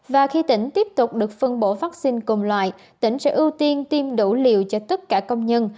và khi tỉnh tiếp tục được phân bổ vaccine cùng loại tỉnh sẽ ưu tiên tiêm đủ liều cho tất cả công nhân